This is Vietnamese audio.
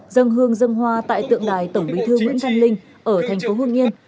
dâng hương dâng hoa tại tượng đài tổng bí thư nguyễn văn linh ở thành phố hương yên